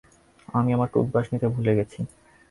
আমি আমার টুথব্রাশ নিতে ভুলে গেছি।